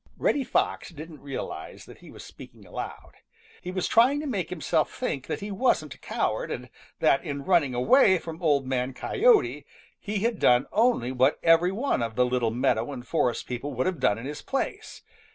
|REDDY FOX didn't realize that he was speaking aloud. He was trying to make himself think that he wasn't a coward and that in running away from Old Man Coyote he had done only what every one of the little meadow and forest people would have done in his place.